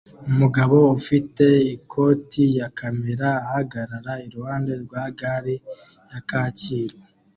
Umugabo ufite ikoti ya kamera ahagarara iruhande rwa gare ya kacyiru